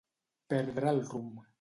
Perdre el rumb.